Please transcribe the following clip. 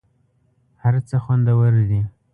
هر څه خوندور دي .